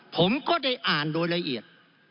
ผมก็ได้อ่านโดยละเอียด